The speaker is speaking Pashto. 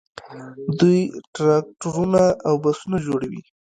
دوی ټراکټورونه او بسونه جوړوي.